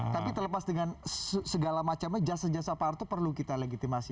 tapi terlepas dengan segala macamnya jasa jasa pak arto perlu kita legitimasi